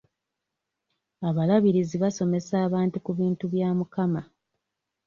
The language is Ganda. Abalabirizi basomesa abantu ku bintu bya Mukama.